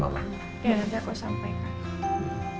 ya nanti aku sampai pak